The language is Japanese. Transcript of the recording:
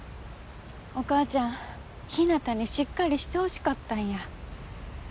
お母ちゃんひなたにしっかりしてほしかったんや。